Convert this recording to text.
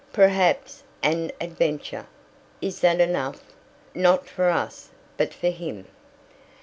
"Perhaps an adventure." "Is that enough?" "Not for us. But for him."